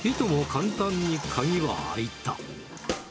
簡単に鍵は開いた。